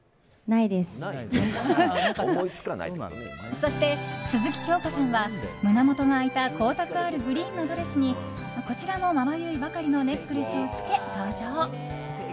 そして、鈴木京香さんは胸元が開いた光沢あるグリーンのドレスにこちらもまばゆいばかりのネックレスを着け登場。